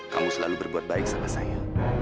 kamu selalu berbuat baik sama saya